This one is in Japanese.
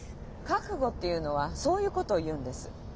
覚悟っていうのはそういうことを言うんです。